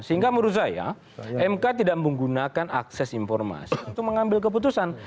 sehingga menurut saya mk tidak menggunakan akses informasi untuk mengambil keputusan